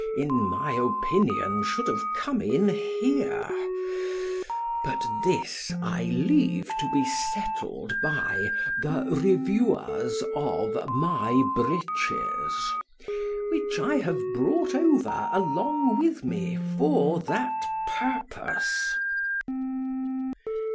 _ in my opinion, should have come in here——but this I leave to be settled by The REVIEWERS of MY BREECHES, which I have brought over along with me for that purpose.